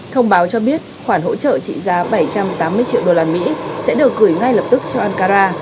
thông báo cho biết khoản hỗ trợ trị giá bảy trăm tám mươi triệu đô la mỹ sẽ được gửi ngay lập tức cho ankara